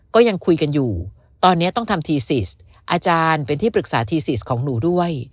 ก็ยังคุยกันอยู่ตอนนี้ต้องทำทีซิสอาจารย์เป็นที่ปรึกษาทีซีสของหนูด้วย